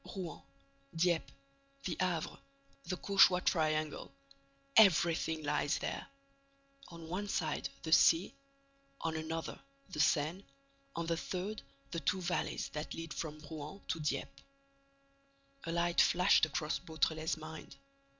Rouen, Dieppe, the Havre—the Cauchois triangle—everything lies there. On one side, the sea; on another, the Seine: on the third, the two valleys that lead from Rouen to Dieppe. A light flashed across Beautrelet's mind.